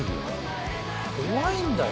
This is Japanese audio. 怖いんだよ。